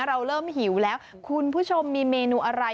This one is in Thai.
เราเริ่มหิวแล้วคุณผู้ชมมีเมนูอะไร